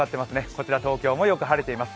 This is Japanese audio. こちら東京もよく晴れています。